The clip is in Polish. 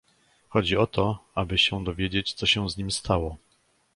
"Chodzi o to, aby się dowiedzieć, co się z nim stało."